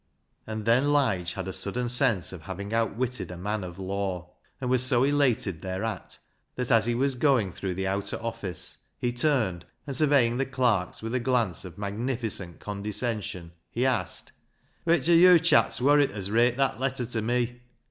And then Lige had a sudden sense of having outwitted a man of law, and was so elated thereat, that, as he was going through the outer office, he turned, and, surveying the clerks with a glance of magnificent condescen sion, he asked —" Which o' yo' chaps wor it as wrate that letter tame?"